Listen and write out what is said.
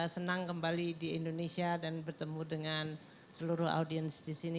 senang kembali di indonesia dan bertemu dengan seluruh audiens di sini